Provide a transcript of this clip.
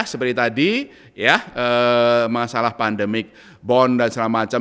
seperti tadi ya masalah pandemik bond dan segala macam